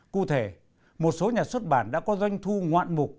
cụ thể một số nhà xuất bản đã có doanh thu ngoạn mục